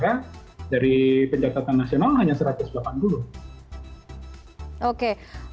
karena dari pencatatan nasional hanya satu ratus delapan puluh